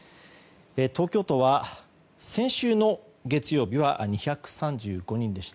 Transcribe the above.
東京都は先週の月曜日は２３５人でした。